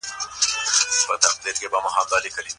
اروپایي هوایي شرکتونه ولي د افغانستان پر فضا تګ راتګ نه کوي؟